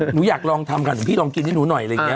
หนูอยากลองทำค่ะหลวงพี่ลองกินให้หนูหน่อยอะไรอย่างนี้